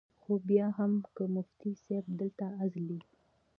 خو بیا هم کۀ مفتي صېب دلته ازلي ،